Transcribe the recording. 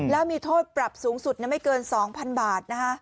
แล้วมีโทษปรับสูงสุดไม่เกิน๒๐๐๐บาทนะคะ